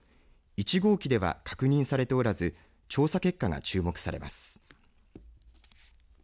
１号機では確認されておらず調査結果が注目されます。